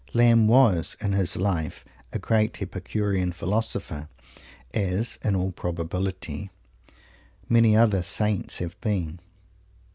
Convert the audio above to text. Lamb was, in his life, a great epicurean philosopher, as, in all probability, many other "saints" have been.